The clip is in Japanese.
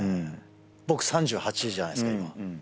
僕３８じゃないですか